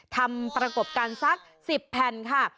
ทำประกบกันสัก๑๐แผ่นค่ะ